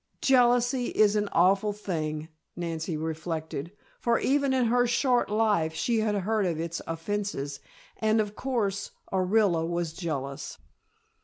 Jealousy is an awful thing, Nancy reflected, for even in her short life she had heard of its offences and, of course, Orilla was jealous.